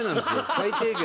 最低限の。